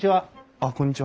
あっこんにちは。